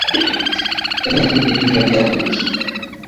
jamii inahitaji elimu ya viazi lishe